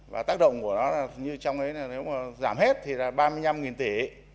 và tác động của nó là như trong ấy là nếu mà giảm hết thì là ba mươi năm tỷ